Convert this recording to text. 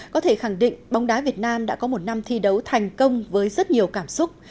có thể khẳng định bóng đá việt nam đã có một năm thi đấu thành công với rất nhiều cảm xúc